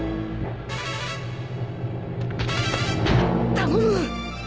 頼む